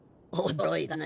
驚いたね。